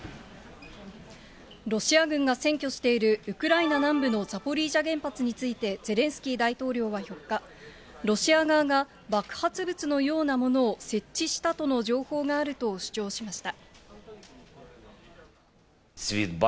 ロシア軍が占拠しているウクライナ南部のザポリージャ原発について、ゼレンスキー大統領は４日、ロシア側が爆発物のようなものを設置したとの情報があると主張しました。